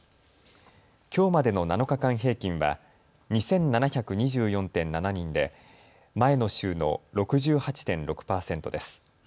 きょうまでの７日間平均は２７２４．７人で前の週の６８．６％です。